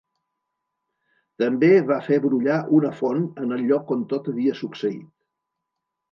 També va fer brollar una font en el lloc on tot havia succeït.